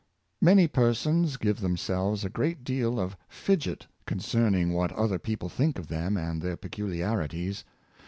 Many persons give themselves a great deal of fidget concerning what other people think of them and their peculiarities.